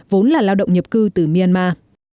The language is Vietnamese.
bốn là lao động nhập cư từ myanmar